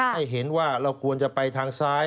ให้เห็นว่าเราควรจะไปทางซ้าย